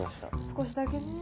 少しだけね。